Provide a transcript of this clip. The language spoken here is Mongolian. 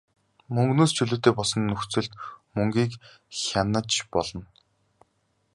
Мөнгөнөөс чөлөөтэй болсон нөхцөлд мөнгийг хянаж болно.